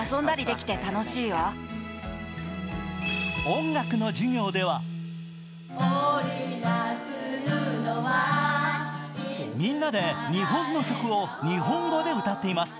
音楽の授業ではみんなで日本語の曲を日本語で歌っています。